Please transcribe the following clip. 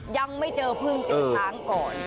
ยังไม่เจอพึ่งเจอช้างก่อน